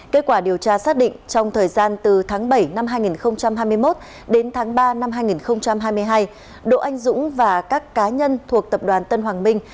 kết quả điều tra xác định trong thời gian từ tháng bảy năm hai nghìn hai mươi một đến tháng ba năm hai nghìn hai mươi hai đỗ anh dũng và các cá nhân thuộc tập đoàn tân hoàng minh